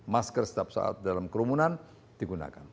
masker setiap saat dalam kerumunan digunakan